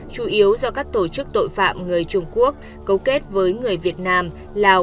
chủ yếu do các tổ chức tội phạm người trung quốc cấu kết với người việt nam lào